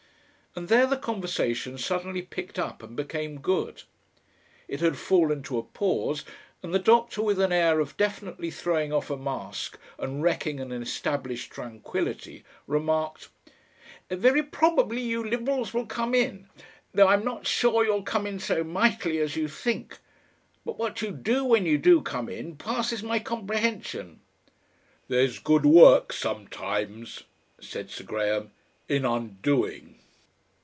And there the conversation suddenly picked up and became good. It had fallen to a pause, and the doctor, with an air of definitely throwing off a mask and wrecking an established tranquillity, remarked: "Very probably you Liberals will come in, though I'm not sure you'll come in so mightily as you think, but what you do when you do come in passes my comprehension." "There's good work sometimes," said Sir Graham, "in undoing."